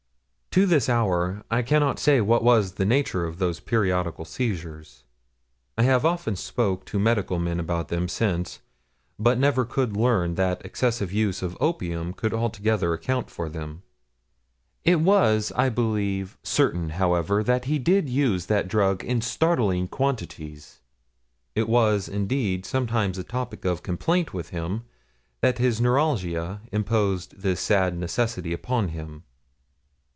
To this hour I cannot say what was the nature of those periodical seizures. I have often spoken to medical men about them, since, but never could learn that excessive use of opium could altogether account for them. It was, I believe, certain, however, that he did use that drug in startling quantities. It was, indeed, sometimes a topic of complaint with him that his neuralgia imposed this sad necessity upon him.